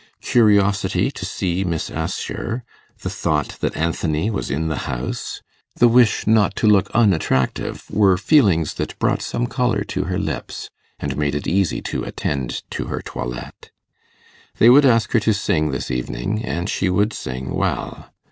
Curiosity to see Miss Assher the thought that Anthony was in the house the wish not to look unattractive, were feelings that brought some colour to her lips, and made it easy to attend to her toilette. They would ask her to sing this evening, and she would sing well.